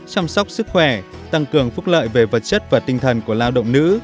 chăm sóc sức khỏe tăng cường phúc lợi về vật chất và tinh thần của lao động nữ